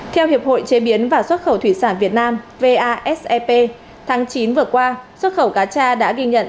theo hiệp hội chế biến và xuất khẩu thủy sản việt nam vasep tháng chín vừa qua xuất khẩu cá cha đã ghi nhận